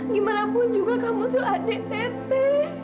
gimanapun juga kamu tuh adik tete